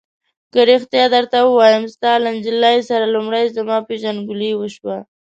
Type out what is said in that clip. که رښتیا درته ووایم، ستا له نجلۍ سره لومړی زما پېژندګلوي وشوه.